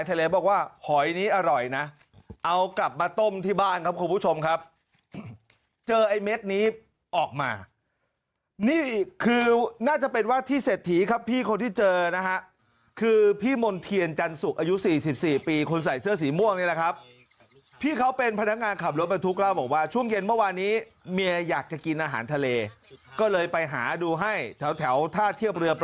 บอกว่าหอยนี้อร่อยนะเอากลับมาต้มที่บ้านครับคุณผู้ชมครับเจอไอ้เม็ดนี้ออกมานี่คือน่าจะเป็นว่าที่เศรษฐีครับพี่คนที่เจอนะฮะคือพี่มณ์เทียนจันสุกอายุ๔๔ปีคนใส่เสื้อสีม่วงนี่แหละครับพี่เขาเป็นพนักงานขับรถบรรทุกเล่าบอกว่าช่วงเย็นเมื่อวานนี้เมียอยากจะกินอาหารทะเลก็เลยไปหาดูให้แถวท่าเทียบเรือประ